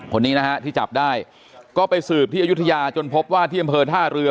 คนนี้นะฮะที่จับได้ก็ไปสืบที่อายุทยาจนพบว่าที่อำเภอท่าเรือ